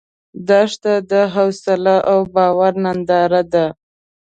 دښته د حوصله او باور ننداره ده.